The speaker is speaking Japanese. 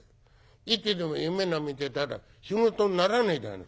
いつでも夢みてたら仕事にならねえじゃない。